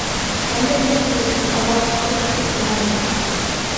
مەن بىر نەرسە دېيىشتىن ئاۋۋال قارا پۈتۈك ئىناۋەتسىز.